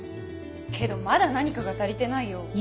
けどまだ何かが足りてないよ。